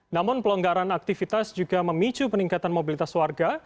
namun pelonggaran aktivitas juga memicu peningkatan mobilitas warga